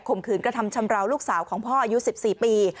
มขืนกระทำชำราวลูกสาวของพ่ออายุ๑๔ปี